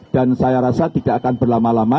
dan saya rasa tidak akan berlama lama